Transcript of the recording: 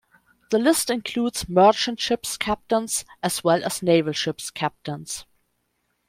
The list includes merchant ship's captains as well as naval ship's captains.